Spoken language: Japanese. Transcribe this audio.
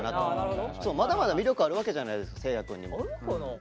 まだまだ魅力あるわけじゃないですか誠也くんにも。